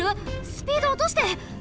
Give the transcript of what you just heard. スピードおとして！